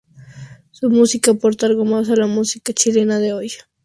Su música aporta algo más a la música chilena de hoy.